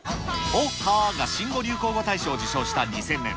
おっはーが新語・流行語大賞を受賞した２０００年。